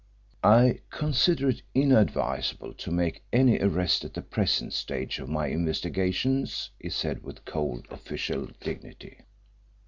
"I consider it inadvisable to make any arrest at the present stage of my investigations," he said, with cold official dignity.